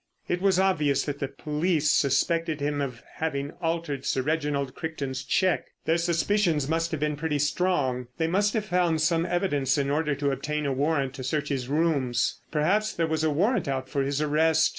It was obvious that the police suspected him of having altered Sir Reginald Crichton's cheque. Their suspicions must have been pretty strong. They must have found some evidence in order to obtain a warrant to search his rooms. Perhaps there was a warrant out for his arrest.